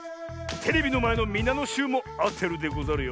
テレビのまえのみなのしゅうもあてるでござるよ。